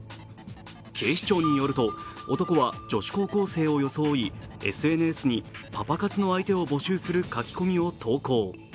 警視庁によると男は女子高校生を装い、ＳＮＳにパパ活の相手を募集する書き込みを投稿。